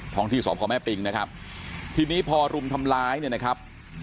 ห้องที่สพแม่ปิงนะครับทีนี้พอรุมทำร้ายเนี่ยนะครับ